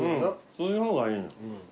そういう方がいい。